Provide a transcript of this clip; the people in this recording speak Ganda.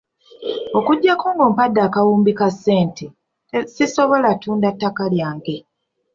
Okuggyako nga ompadde akawumbi ka ssente, sisobola kutunda ttaka lyange.